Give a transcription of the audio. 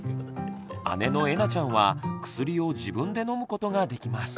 姉のえなちゃんは薬を自分で飲むことができます。